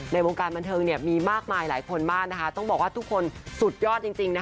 ในวงใจบันเทิงมีมากมายคนทุกคนเลยสุดยอด